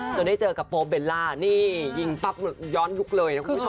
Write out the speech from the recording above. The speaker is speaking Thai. ได้เจอกับโป๊เบลล่านี่ยิงปั๊บย้อนยุคเลยนะคุณผู้ชม